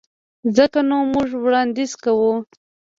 ځکه نو موږ وړانديز کوو.